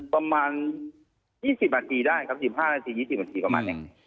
ประมาณ๒๐นาทีได้ครับ๑๕นาที๒๐นาทีประมาณนี้